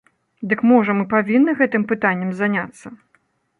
Дык можа мы павінны гэтым пытаннем заняцца?